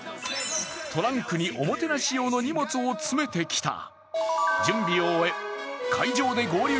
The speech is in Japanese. トランクにおもてなし用の荷物を積めてきた。